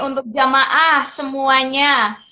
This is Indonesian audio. untuk jamaah semuanya